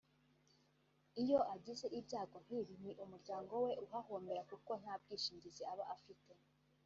iyo agize ibyago nk’ibi ni umuryango we uhahombera kuko nta bwishingizi aba afite